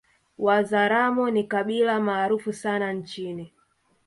Wazaramo ni kabila maarufu sana nchini